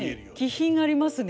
気品ありますね。